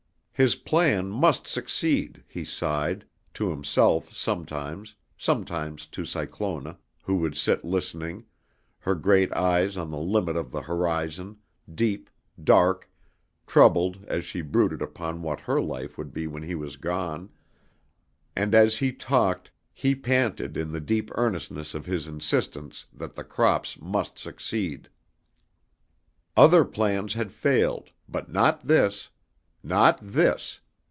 His plan must succeed, he sighed, to himself sometimes, sometimes to Cyclona, who would sit listening, her great eyes on the limit of the horizon, deep, dark, troubled as she brooded upon what her life would be when he was gone; and as he talked he panted in the deep earnestness of his insistence that the crops must succeed. Other plans had failed, but not this. Not this!